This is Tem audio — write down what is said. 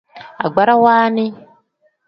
Agbarawa nni.